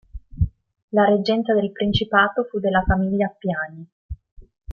La reggenza del principato fu della famiglia Appiani.